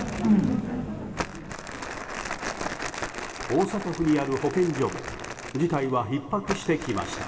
大阪府にある保健所も事態は、ひっ迫してきました。